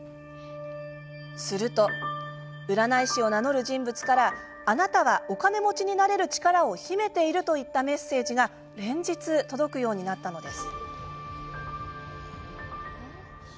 すると占い師を名乗る人物からあなたはお金持ちになれる力を秘めているといったメッセージが連日届くようになったのです。